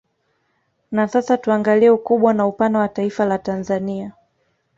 Na sasa tuangalie ukubwa na upana wa Taifa la Tanzania